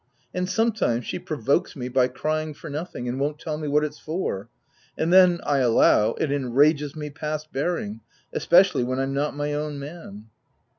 And sometimes, she provokes me by cry ing for nothing, and won't tell me what it's for ; and then, I allow, it enrages me past bearing — especially, when I'm not my own man."